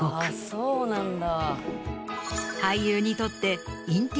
そうなんだ。